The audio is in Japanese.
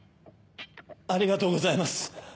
ありがとうございます！